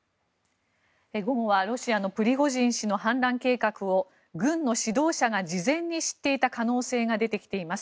午後はロシアのプリゴジン氏の反乱計画を軍の指導者が事前に知っていた可能性が出てきています。